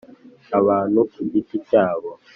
Abantu ku giti cyabo